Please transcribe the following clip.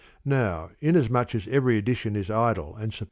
Now inasmuch as every addition is idle and sup.